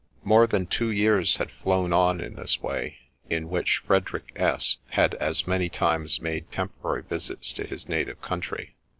More than two years had flown on in this way, in which Frederick S had as many times made temporary visits to his native country.